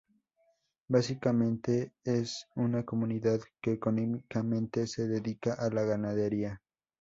Básicamente es una comunidad que económicamente se dedica a la ganadería.